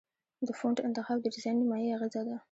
د فونټ انتخاب د ډیزاین نیمایي اغېزه ده.